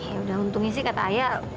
ya udah untungnya sih kata ayah